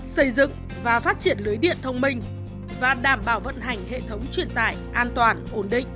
xây dựng và phát triển lưới điện thông minh và đảm bảo vận hành hệ thống truyền tải an toàn ổn định